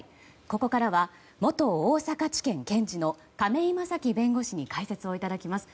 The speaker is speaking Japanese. ここからは元大阪地検検事の亀井正貴弁護士に解説をいただきます。